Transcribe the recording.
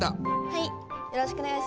はい。